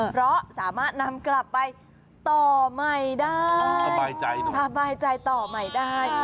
เพราะสามารถนำกลับไปต่อใหม่ได้สบายใจหน่อยสบายใจต่อใหม่ได้